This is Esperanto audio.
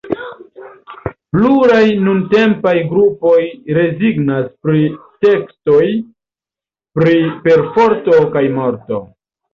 Pluraj nuntempaj grupoj rezignas pri tekstoj pri perforto kaj morto.